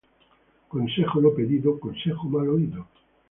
Consejo no pedido, consejo mal oido.